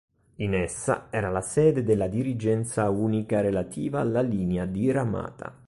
In essa era la sede della Dirigenza unica relativa alla linea diramata.